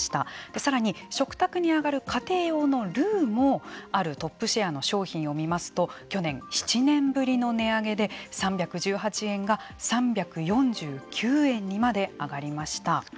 さらに、食卓に上がる家庭用のルーもあるトップシェアの商品を見ますと去年、７年ぶりの値上げで３１８円が３４９円にまで上がりました。